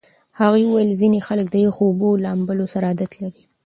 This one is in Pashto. هغې وویل ځینې خلک د یخو اوبو لامبو سره عادت لري.